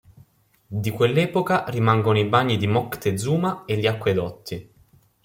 Di quell'epoca rimangono i bagni di Moctezuma e gli acquedotti.